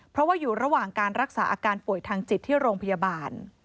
เพราะว่าอยู่ระหว่างการรักษาอาการป่วยทางจิตที่โรงพยาบาล